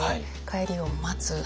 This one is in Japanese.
帰りを待つ。